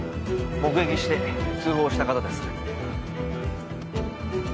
目撃して通報した方です。